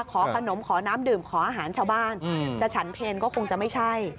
ขอขนมขอน้ำดื่มขออาหารชาวบ้านจะฉันเพลก็คงจะไม่ใช่